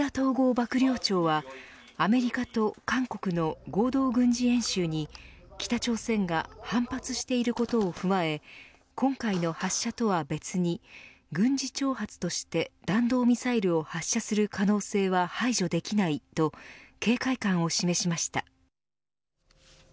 幕僚長はアメリカと韓国の合同軍事演習に北朝鮮が反発していることを踏まえ今回の発射とは別に軍事挑発として弾道ミサイルを発射する可能性は排除できないと警戒感を示しました。